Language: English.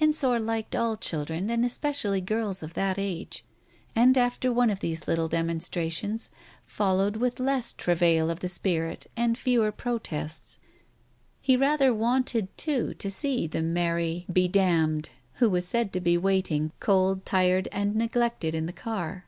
Ensor liked all children, and especially girls of that age, and after one of these little demonstrations fol lowed with less travail of the spirit and fewer protests. He rather wanted, too, to see the Mary "be damned" who was said to be waiting, cold, tired, and neglected in the car.